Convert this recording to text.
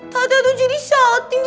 tata tuh jadi salting